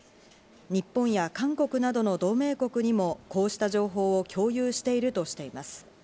日本や韓国などの同盟国にもこうした情報を共有しているとしています。